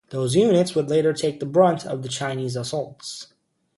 Those units would later take the brunt of the Chinese assaults.